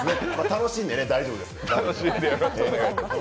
楽しんでね、大丈夫です。